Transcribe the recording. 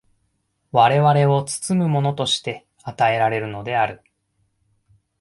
我々を包むものとして与えられるのである。